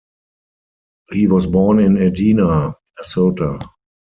He was born in Edina, Minnesota.